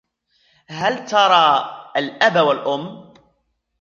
هل ترى الأب و الأُم؟